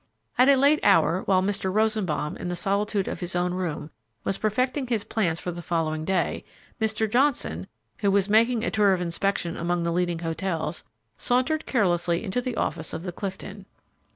At a late hour, while Mr. Rosenbaum, in the solitude of his own room, was perfecting his plans for the following day, Mr. Johnson, who was making a tour of inspection among the leading hotels, sauntered carelessly into the office of the Clifton.